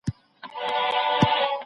ټولنه اوس د انساني شرف په ارزښت پوهيږي.